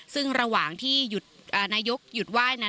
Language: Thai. ซึ่งระหว่างที่หยุดนายกหยุดไหว้นั้น